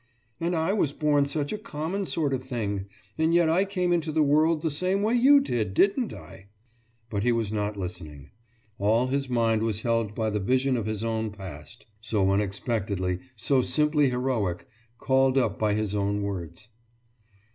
« »And I was born such a common sort of thing! And yet I came into the world the same way you did, didn't I?« But he was not listening. All his mind was held by the vision of his own past, so unexpectedly, so simply heroic, called up by his own words.